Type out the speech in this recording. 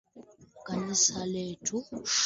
Kanisa letu.